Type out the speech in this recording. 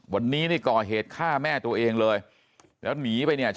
วันนี้นี่ก่อเหตุฆ่าแม่ตัวเองเลยแล้วหนีไปเนี่ย